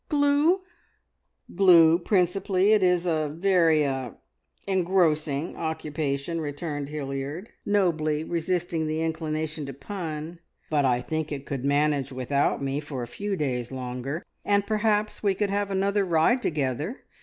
"Glue?" "Glue principally. It is a very er engrossing occupation," returned Hilliard, nobly resisting the inclination to pun; "but I think it could manage without me for a few days longer, and perhaps we could have another ride together.